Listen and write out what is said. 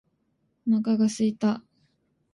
お腹が空いた